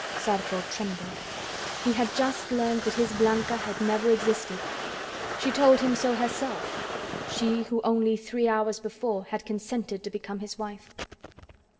Zarco trembled. He had just learned that his Blanca had never existed; she told him so herself she who only three hours before had consented to become his wife!